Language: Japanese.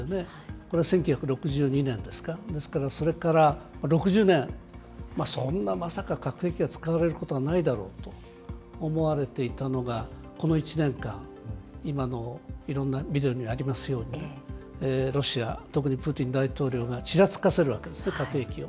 これは１９６２年ですか、ですから、それから６０年、そんなまさか核兵器は使われることはないだろうと思われていたのが、この１年間、今のいろんなビデオにありますように、ロシア、特にプーチン大統領がちらつかせるわけですね、核兵器を。